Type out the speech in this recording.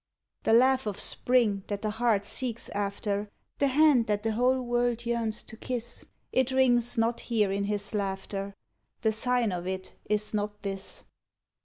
The laugh of spring that the heart seeks after, The hand that the whole world yearns to kiss, It rings not here in his laughter, The sign of it is not this.